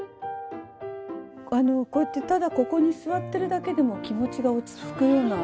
こうやってただここに座ってるだけでも気持ちが落ち着くような不思議な場所ですね